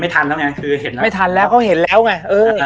ไม่ทันแล้วเขาเห็นแล้วไง